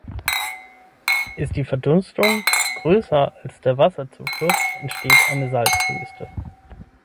Ist die Verdunstung größer als der Wasserzufluss, entsteht eine Salzwüste.